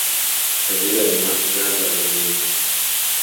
ntagereranywa bwa hazaza heza